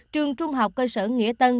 trường trung học cơ sở nghĩa tân